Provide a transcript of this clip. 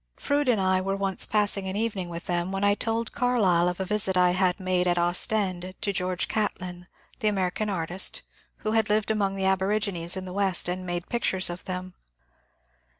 Froude and I were once passing an evening with them, when I told Carlyle of a visit I had made at Ostend to George Catlin, the American artist, who had Uved among the abori gines in the West and made pictures of them.